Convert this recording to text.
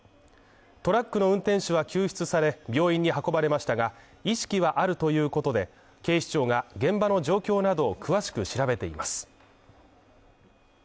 トラックの運転手は救出され病院に運ばれましたが意識はあるということで、警視庁が現場の状況などを詳しく調べています